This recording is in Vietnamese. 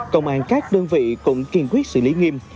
công an các đơn vị cũng kiên quyết xử lý nghiêm